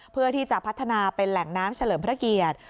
เพื่อที่จะพัฒนาเป็นแหล่งน้ำเฉลิมพระเกียรติ